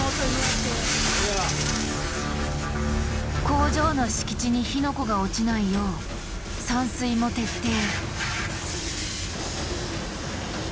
工場の敷地に火の粉が落ちないよう散水も徹底。